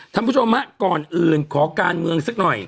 ท่านผู้ชมฮะก่อนอื่นขอการเมืองสักหน่อย